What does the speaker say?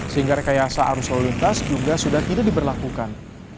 sehingga rekayasa arus lalu lintas juga sudah tidak diberlakukan